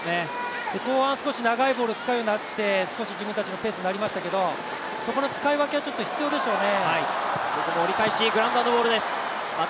後半少し長いボールを使うようになって少し自分たちのペースになりましたけどそこの使い分けは必要でしょうね。